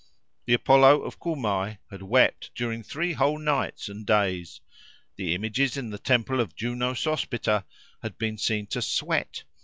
The Apollo of Cumae had wept during three whole nights and days. The images in the temple of Juno Sospita had been seen to sweat.